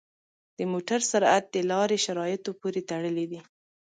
د موټر سرعت د لارې شرایطو پورې تړلی دی.